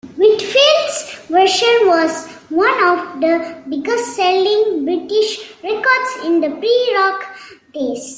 Whitfield's version was one of the biggest selling British records in the pre-rock days.